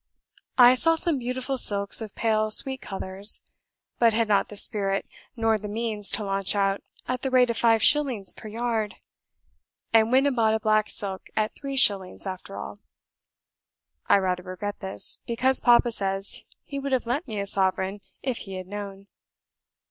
I saw some beautiful silks of pale sweet colours, but had not the spirit nor the means to launch out at the rate of five shillings per yard, and went and bought a black silk at three shillings after all. I rather regret this, because papa says he would have lent me a sovereign if he had known.